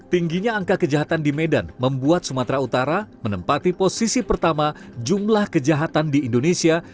tingginya angka kejahatan di medan membuat sumatera utara menempati posisi pertama jumlah kejahatan di indonesia